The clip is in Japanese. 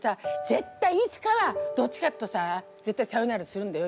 絶対いつかはどっちかとさ絶対さよならするんだよ